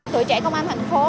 tuổi trẻ công an thành phố